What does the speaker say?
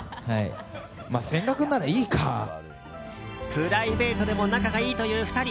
プライベートでも仲がいいという２人。